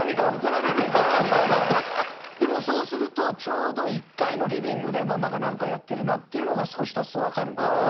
でもそうするとちょうど１階のリビングでママがなんかやってるなっていうのが少し経つとわかるんだけど。